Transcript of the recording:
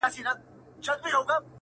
موږکان ډېر دي حیران ورته سړی دی.